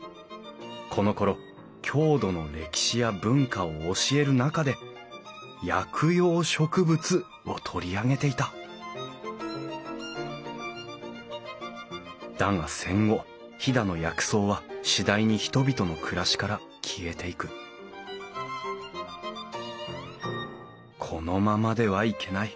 このころ郷土の歴史や文化を教える中で薬用植物を取り上げていただが戦後飛騨の薬草は次第に人々の暮らしから消えていくこのままではいけない。